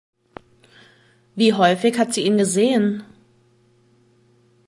Wie häufig hat sie ihn gesehen?